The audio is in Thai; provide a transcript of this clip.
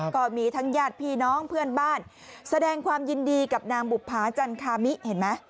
ก็มีทั้งญาติพี่น้องเพื่อนบ้านแสดงความยินดีกับนางบุภาจันคามิเห็นไหม